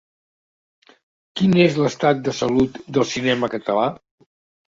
Quin és l'estat de salut del cinema en català?